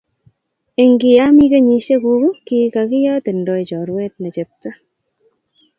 Eng kiami kenyisiek kuk ki kiyatindoi chorwet ne chepto